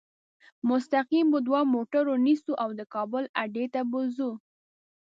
مستقیم به دوه موټره نیسو او د کابل اډې ته به ځو.